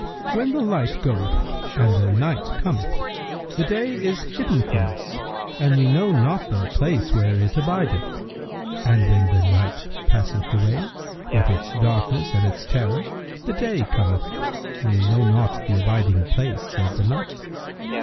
When the light goeth and the night cometh, the day is hidden from us and we know not the place where it abideth; and when the night passeth away with its darkness and its terror, the day cometh and we know not the abiding place of the night.